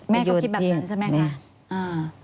แม่เขาคิดแบบเหมือนใช่ไหมคะ